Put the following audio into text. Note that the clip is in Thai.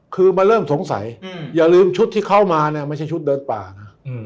คือมาเริ่มสงสัยอย่าลืมชุดที่เข้ามาเนี่ยไม่ใช่ชุดเดินป่านะ